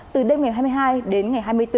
từ đêm ngày hai mươi hai đến ngày hai mươi bốn